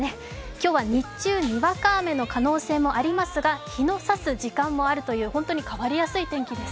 今日は日中、にわか雨の可能性もありますが日のさす時間もあるという本当に変わりやすい天気です。